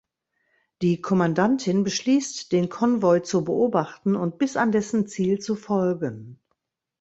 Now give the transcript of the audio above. Die Kommandantin beschließt den Konvoi zu beobachten und bis an dessen Ziel zu folgen.